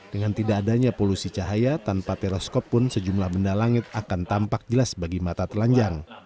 dengan tidak adanya polusi cahaya tanpa teleskop pun sejumlah benda langit akan tampak jelas bagi mata telanjang